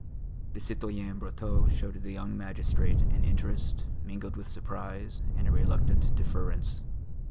The citoyen Brotteaux showed the young magistrate an interest mingled with surprise and a reluctant deference.